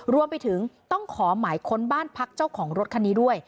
รวมไปถึงต้องขอหมายค้นบ้านพักเจ้าของรถคันนี้ด้วย